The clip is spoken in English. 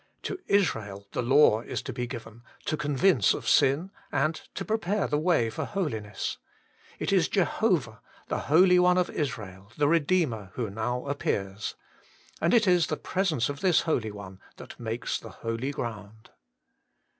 To Israel the law is to be given, to convince of sin and pre pare the way for holiness ; it is Jehovah, the Holy One of Israel, the Kedeemer, who now appears. And it is the presence of this Holy One that makes the holy ground.